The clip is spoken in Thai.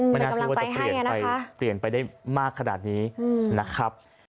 ไม่น่าที่จะเปลี่ยนไปได้มากขนาดนี้นะครับ